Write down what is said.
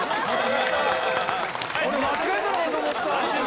俺間違えたのかと思った！